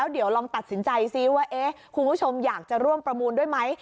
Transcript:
เดี๋ยวลองตัดสินใจซิว่าคุณผู้ชมอยากจะร่วมประมูลด้วยไหม